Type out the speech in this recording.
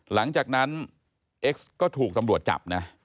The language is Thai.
หลังจากนั้นเอ็กซ์ก็ถูกตำรวจจับนะ